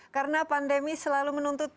karena pandemi selalu menuntut